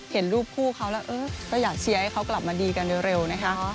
เห็นรูปคู่เขาแล้วก็อยากเชียร์ให้เขากลับมาดีกันเร็วนะคะ